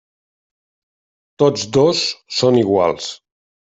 Tots dos són iguals.